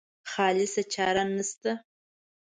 خالصه چاره نشته.